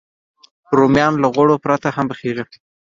رومیان له غوړو پرته هم پخېږي